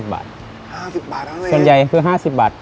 ๕๐บาทอะไรนะส่วนใหญ่คือ๕๐บาท